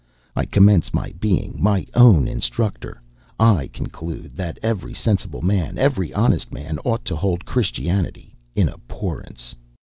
I commence by being my own instructor.... I conclude, that every sensible man, every honest man, ought to hold Christianity in abhorrence.